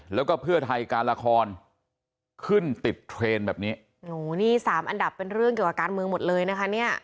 แล้วก็เพื่อไทยการละครขึ้นติดเทรนด์แบบนี้โหนี่สามอันดับเป็นเรื่องเกี่ยวกับการเมืองหมดเลยนะคะเนี่ย